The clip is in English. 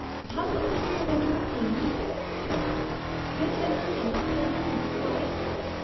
'How had Mr. Wendover seemed?' she asked 'good tempered, and pleasant, and quiet?'